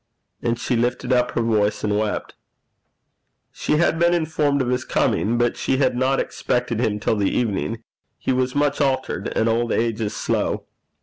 And she lifted up her voice and wept. She had been informed of his coming, but she had not expected him till the evening; he was much altered, and old age is slow.